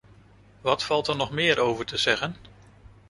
Wat valt er nog meer over te zeggen?